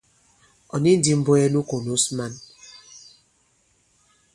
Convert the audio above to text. Ɔ̀ ni ndī m̀bwɛɛ nu kònos man.